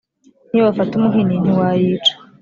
niyo wafata umuhini ntiwayica